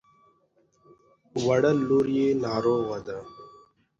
وړه لور يې ناروغه ده.